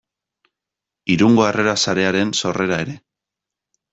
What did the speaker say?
Irungo Harrera Sarearen sorrera ere.